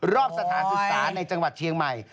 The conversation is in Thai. รอบสถานศึกษาในจังหวัดเชียงใหม่